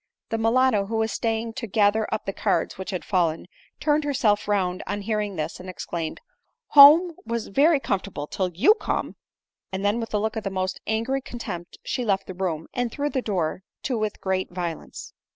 The mulatto who was staying to gather up the cards which had fallen, turned herself round on hearing this, and exclaimed, " home was very comfortable till you come ;" and then with a look ot the most angry con tempt she left the room, and threw the door to with great violence.